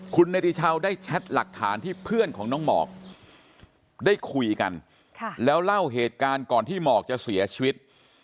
คุณเนติชาวได้แชทหลักฐานที่เพื่อนของน้องหมอกได้คุยกันแล้วเล่าเหตุการณ์ก่อนที่หมอกจะเสียชีวิต